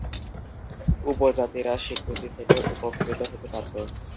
উপজাতিরা স্বীকৃতি থেকে উপকৃত হতে পারে।